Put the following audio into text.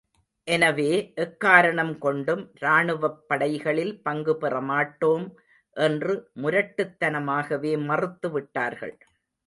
எனவே, எக்காரணம் கொண்டும் ராணுவப் படைகளில் பங்கு பெற மாட்டோம் என்று முரட்டுத்தனமாகவே மறுத்து விட்டார்கள்.